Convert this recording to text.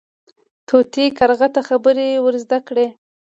طوطي کارغه ته خبرې ور زده کړې.